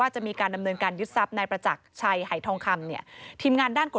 ตามถูกต้อง